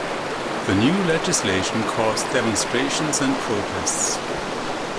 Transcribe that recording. The new legislation caused demonstrations and protests.